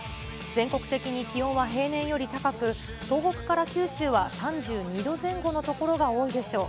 全国的に気温は平年より高く、東北から九州は３２度前後の所が多いでしょう。